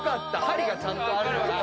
針がちゃんとあるから。